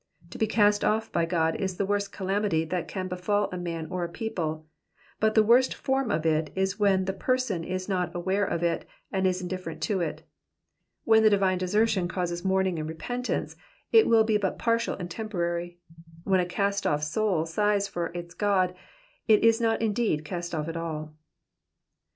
To be cast off by God is the worst calamity that can befal a man or a people ; but the worst form of it is when the person is not aware of it and is indifferent to it. When the divine desertion causes mourn ing and repentance, it will be but partial and temporary. "When a cast off soul sighs for its God it is not indeed cast off at all.